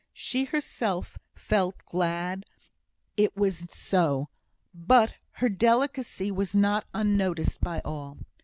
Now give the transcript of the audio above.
She herself felt glad that it was so. But her delicacy was not unnoticed by all.